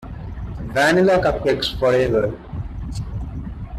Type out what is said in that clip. Vanilla cupcakes forever.